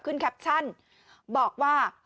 แคปชั่นบอกว่า